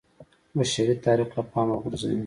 بشري تاریخ له پامه غورځوي